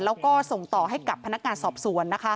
แล้วก็ส่งต่อให้กับพนักงานสอบสวน